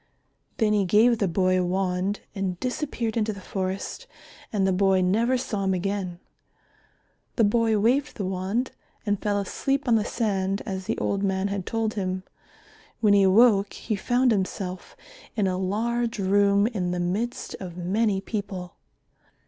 Then he gave the boy a wand and disappeared into the forest and the boy never saw him again. The boy waved the wand and fell asleep on the sand as the old man had told him. When he awoke he found himself in a large room in the midst of many people.